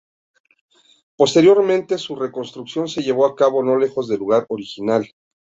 Posteriormente, su reconstrucción se llevó a cabo no lejos del lugar original.